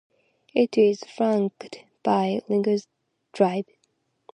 It is flanked by Links Drive.